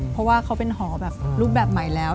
เพราะว่าเขาเป็นหอแบบรูปแบบใหม่แล้ว